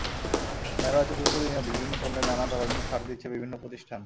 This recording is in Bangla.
মেলার চতুর্থ দিনেও বিভিন্ন পণ্যে নানা ধরনের ছাড় দিচ্ছে বিভিন্ন প্রতিষ্ঠান।